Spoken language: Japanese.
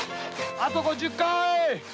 あと５０回！